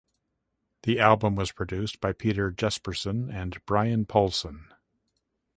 The album was produced by Peter Jesperson and Brian Paulson.